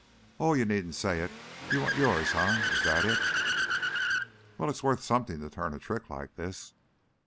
Oh, you needn't say it. You want yours, eh? Is that it?" "Well it's worth something to turn a trick like this."